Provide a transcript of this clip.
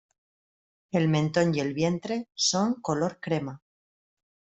El mentón y el vientre son color crema.